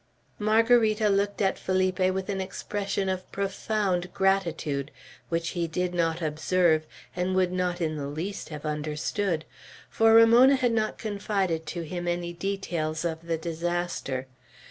Margarita looked at Felipe with an expression of profound gratitude, which he did not observe, and would not in the least have understood; for Ramona had not confided to him any details of the disaster.